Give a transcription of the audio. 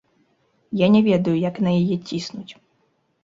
Я не ведаю, як на яе ціснуць.